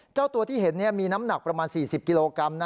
เจ้าตัวที่เห็นมีน้ำหนักประมาณ๔๐กิโลกรัม